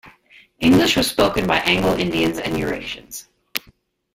English was spoken by Anglo-Indians and Eurasians.